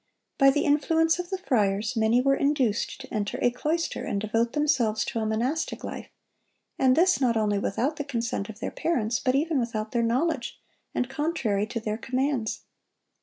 By the influence of the friars many were induced to enter a cloister and devote themselves to a monastic life, and this not only without the consent of their parents, but even without their knowledge, and contrary to their commands.